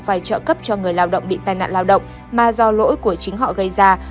phải trợ cấp cho người lao động bị tai nạn lao động mà do lỗi của chính họ gây ra